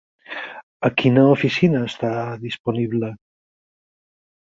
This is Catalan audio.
A quina oficina està disponible?